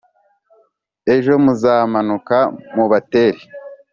Ejo muzamanuke mubatere